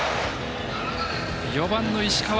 ４番の石川。